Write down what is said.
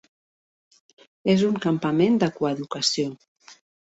És un campament de coeducació.